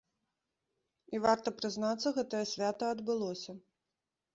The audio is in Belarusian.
І, варта прызнацца, гэтае свята адбылося.